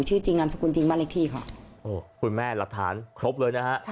ชื่อจริงนามสกุลจริงบ้านเลขที่ค่ะโอ้คุณแม่หลักฐานครบเลยนะฮะใช่